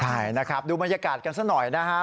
ใช่นะครับดูบรรยากาศกันซะหน่อยนะฮะ